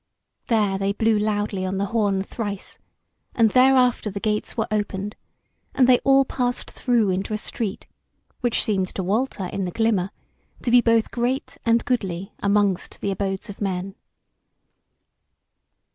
There they blew loudly on the horn thrice, and thereafter the gates were opened, and they all passed through into a street, which seemed to Walter in the glimmer to be both great and goodly amongst the abodes of men.